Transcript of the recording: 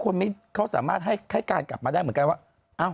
คนเขาสามารถให้การกลับมาได้เหมือนกันว่า